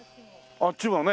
あっちもね。